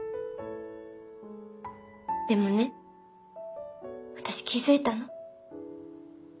でもね私気付いたの。